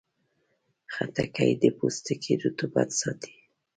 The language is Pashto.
خټکی د پوستکي رطوبت ساتي.